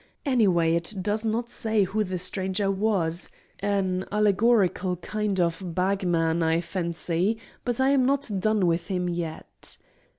Any way, it does not say who the Stranger was—an allegorical kind of bagman I fancy; but I am not done with him yet.